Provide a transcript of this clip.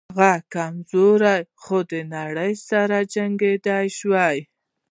هغه کمزوری و خو د نړۍ سره جنګېدلی شو